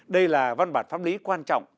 đây là văn bản pháp lý quan trọng